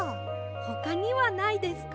ほかにはないですか？